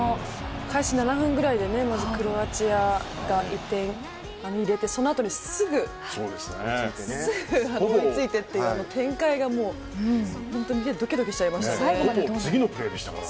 開始７分ぐらいでクロアチアが１点入れてそのあとですぐ追いついてという展開が本当に見ていてドキドキしました。